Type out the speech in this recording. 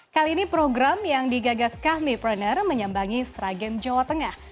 kali ini program yang digagas kami prener menyambangi sragen jawa tengah